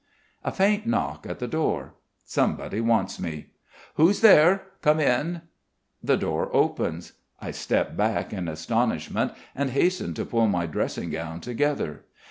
A faint knock at the door. Somebody wants me. "Who's there? Come in!" The door opens. I step back in astonishment, and hasten to pull my dressing gown together.